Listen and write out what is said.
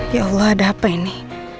ya allah ada apa ini